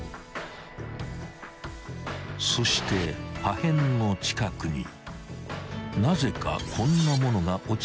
［そして破片の近くになぜかこんなものが落ちていた］